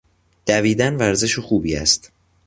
دویدن ورزش خوبی است.